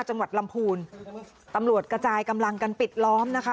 จังหวัดลำพูนตำรวจกระจายกำลังกันปิดล้อมนะคะ